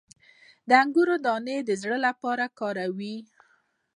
د انګور دانه د زړه لپاره وکاروئ